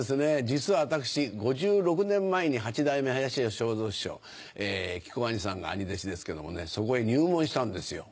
実は私５６年前に八代目林家正蔵師匠木久扇兄さんがあに弟子ですけどもねそこへ入門したんですよ。